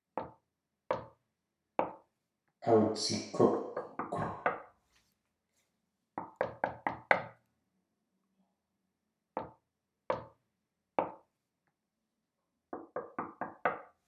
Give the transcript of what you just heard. Adzikúk̲kw.